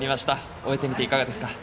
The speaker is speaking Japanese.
終わってみていかがでしたか。